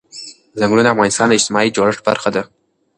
ځنګلونه د افغانستان د اجتماعي جوړښت برخه ده.